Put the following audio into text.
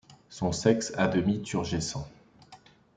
Son sexe à demi turgescent.